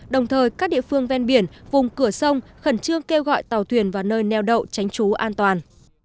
đồng thời các địa phương ven biển vùng cửa sông khẩn trương kêu gọi tàu thuyền vào nơi neo đậu tránh trú an toàn